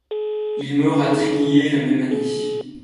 Il meurt à Tréguier la même année.